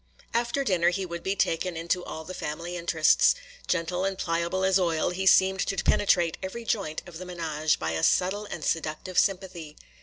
After dinner he would be taken into all the family interests. Gentle and pliable as oil, he seemed to penetrate every joint of the ménage by a subtile and seductive sympathy.